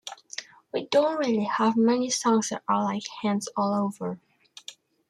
We don't really have many songs that are like "Hands All Over".